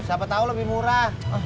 siapa tau lebih murah